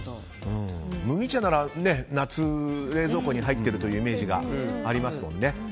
麦茶なら夏冷蔵庫に入っているというイメージがありますもんね。